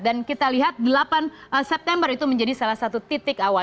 dan kita lihat delapan september itu menjadi salah satu titik awal